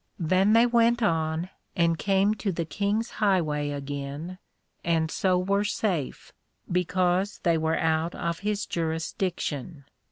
Then they went on, and came to the King's High way again, and so were safe, because they were out of his jurisdiction.